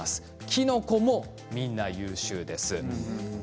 きのこも、みんな優秀です。